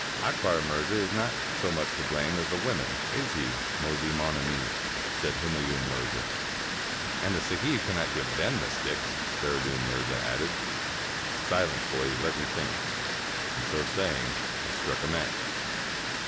'' Akbar Mirza is not so much to blame as the women — is he, mosie mon ami?" said Humayun Mirza. "And the sahib cannot give them the sticks," Feridun Mirza added. "Silence, boys. Let me think"; and so saying, I struck a match.